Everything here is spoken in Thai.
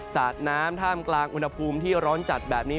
สาดน้ำท่ามกลางอุณหภูมิที่ร้อนจัดแบบนี้